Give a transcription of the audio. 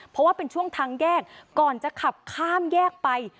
เพราะว่าเป็นช่วงทางแยกก่อนจะขับข้ามแยกไป